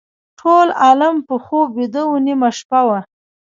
ټول عالم په خوب ویده و نیمه شپه وه.